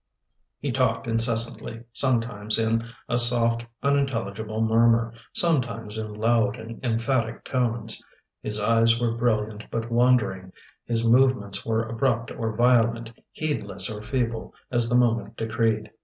He talked incessantly, sometimes in a soft, unintelligible murmur, sometimes in loud and emphatic tones. His eyes were brilliant but wandering, his movements were abrupt or violent, heedless or feeble, as the moment decreed.